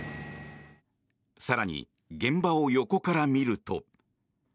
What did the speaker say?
更に、現場を横から見ると。